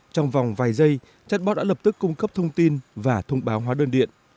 trong vòng vài giây chatbot đã lập tức cung cấp thông tin và thông báo hóa đơn điện